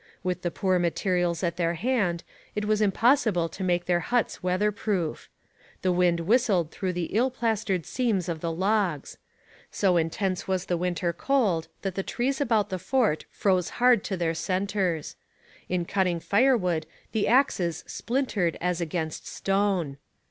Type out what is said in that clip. With the poor materials at their hand it was impossible to make their huts weatherproof. The wind whistled through the ill plastered seams of the logs. So intense was the winter cold that the trees about the fort froze hard to their centres. In cutting firewood the axes splintered as against stone.